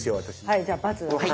はいじゃあバツで。